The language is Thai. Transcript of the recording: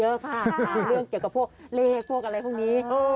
เรื่องเกี่ยวกับพวกเลขพวกอะไรพวกนี้